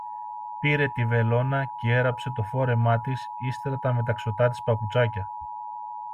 Πήρε τη βελόνα κι έραψε το φόρεμά της, ύστερα τα μεταξωτά της παπουτσάκια